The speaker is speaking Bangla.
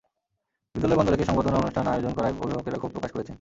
বিদ্যালয় বন্ধ রেখে সংবর্ধনা অনুষ্ঠান আয়োজন করায় অভিভাবকেরা ক্ষোভ প্রকাশ করেছেন।